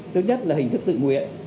thứ nhất là hình thức tự nguyện